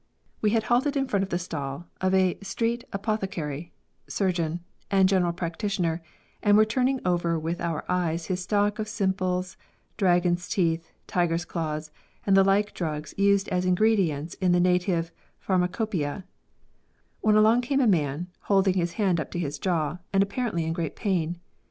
We had halted in front of the stall of a street apothecary, sur geon, and general practitioner, and were turning over with our eyes his stock of simples, dragons' teeth, tigers' claws, and like drugs used as ingredients in the native pharmacopeia, when along came a man, holding his hand up to his jaw, and apparently in great pain.